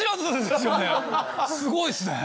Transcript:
すごいっすね。